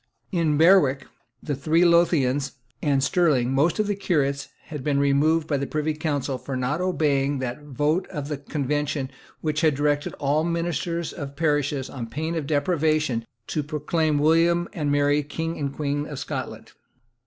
In Berwickshire, the three Lothians and Stirlingshire, most of the curates had been removed by the Privy Council for not obeying that vote of the Convention which had directed all ministers of parishes, on pain of deprivation, to proclaim William and Mary King and Queen of Scotland.